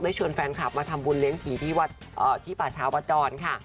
ได้ชวนแฟนคลับมาทำบุญเลี้ยงผีที่ป่าชาวัดดรณ์ค่ะ